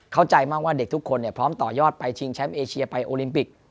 เข้าใจมากว่าเด็กทุกคนพร้อมต่อยอดไปชิงแชมป์เอเชียไปโอลิมปิก